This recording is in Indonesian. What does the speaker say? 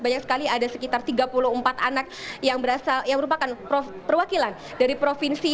banyak sekali ada sekitar tiga puluh empat anak yang berasal yang merupakan prof perwakilan dari provinsi